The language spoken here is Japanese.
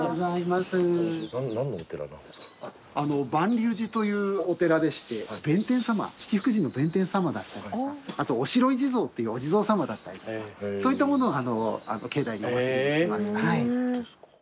蟠龍寺というお寺でして弁天様七福神の弁天様だったりとかあとおしろい地蔵っていうお地蔵様だったりとかそういったものを境内にお祭りしてます。